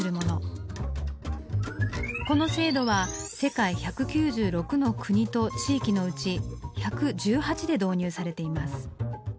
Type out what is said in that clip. この制度は世界１９６の国と地域のうち１１８で導入されています。